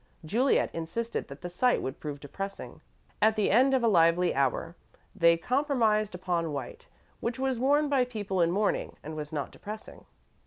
Juliet insisted that the sight would prove depressing. At the end of a lively hour, they compromised upon white, which was worn by people in mourning and was not depressing.